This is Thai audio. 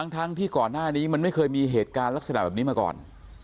ทั้งที่ก่อนหน้านี้มันไม่เคยมีเหตุการณ์ลักษณะแบบนี้มาก่อน